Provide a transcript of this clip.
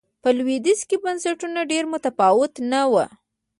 په لوېدیځ کې بنسټونه ډېر متفاوت نه و.